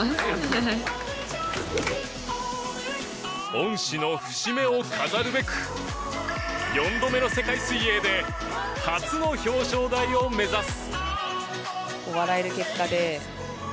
恩師の節目を飾るべく４度目の世界水泳で初の表彰台を目指す。